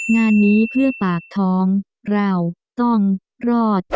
งานนี้เพื่อปากท้องเราต้องรอด